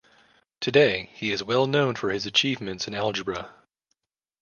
Today, he is well known for his achievements in algebra.